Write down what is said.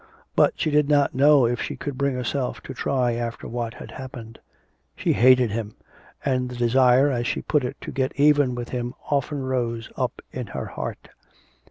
But she did not know if she could bring herself to try after what had happened.... She hated him, and the desire, as she put it, to get even with him often rose up in her heart.